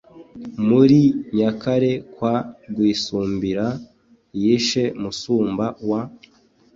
Muli Nyakare kwa Rwisumbura, yishe Musumba wa